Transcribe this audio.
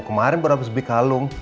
kemarin pernah bersubik kalung